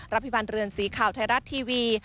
พิพันธ์เรือนสีข่าวไทยรัฐทีวี